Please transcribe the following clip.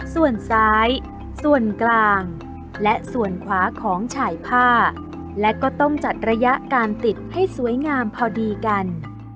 ส่วนซ้ายส่วนกลางและส่วนขวาของฉายผ้าและก็ต้องจัดระยะการติดให้สวยงามพอดีกัน